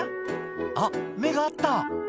「あっ目が合った」